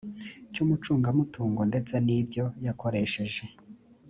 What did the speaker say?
cy umucungamutungo ndetse n ibyo yakoresheje